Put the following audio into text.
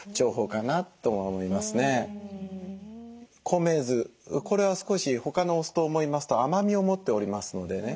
米酢これは少し他のお酢と思いますと甘みを持っておりますのでね